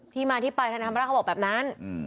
ที่มาที่ไปธนธรรมราชเขาบอกแบบนั้น